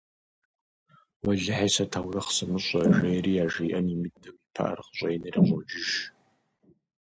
Уэлэхьи, сэ таурыхъ сымыщӏэ, - жери, яжриӏэн имыдэу, и пыӏэр къыщӏенэри къыщӏокӏыж.